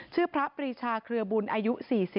ชื่อพระปรีชาเครือบุญอายุ๔๒